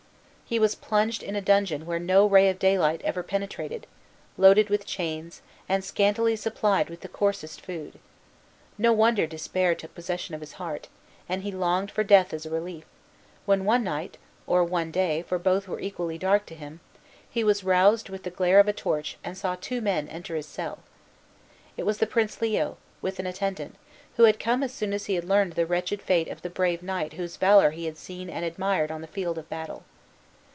He was plunged in a dungeon where no ray of daylight ever penetrated, loaded with chains, and scantily supplied with the coarsest food. No wonder despair took possession of his heart, and he longed for death as a relief, when one night (or one day, for both were equally dark to him) he was roused with the glare of a torch and saw two men enter his cell. It was the Prince Leo, with an attendant, who had come as soon as he had learned the wretched fate of the brave knight whose valor he had seen and admired on the field of battle.